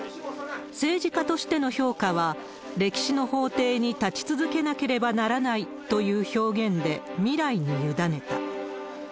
政治家としての評価は、歴史の法廷に立ち続けなければならないという表現で未来に委ねた。